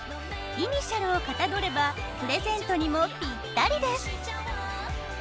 イニシャルをかたどればプレゼントにもぴったりです。